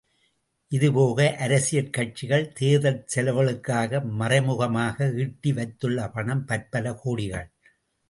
இதுபோக அரசியற் கட்சிகள் தேர்தல் செலவுகளுக்காக மறைமுகமாக ஈட்டி வைத்துள்ள பணம் பற்பல கோடிகள்!